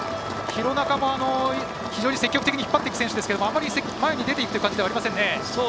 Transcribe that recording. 廣中も、非常に積極的に引っ張っていく選手ですがあまり前に出ていく感じではありませんね。